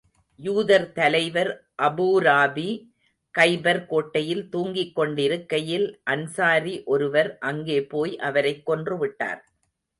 யூதர் தலைவர் அபூராபி கைபர் கோட்டையில் தூங்கிக் கொண்டிருக்கையில், அன்ஸாரி ஒருவர் அங்கே போய், அவரைக் கொன்று விட்டார்.